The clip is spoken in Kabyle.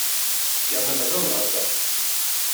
Yerna mazal nhedder.